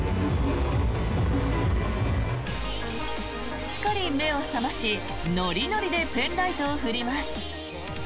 すっかり目を覚まし、ノリノリでペンライトを振ります。